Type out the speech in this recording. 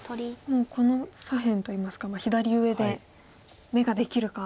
もうこの左辺といいますか左上で眼ができるか。